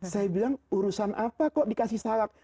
saya bilang urusan apa kok dikasih salak